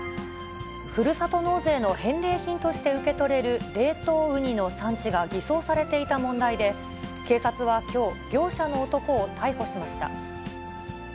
ふるさと納税の返礼品として受け取れる冷凍ウニの産地が偽装されていた問題で、警察はきょう、業者の男を逮捕しました。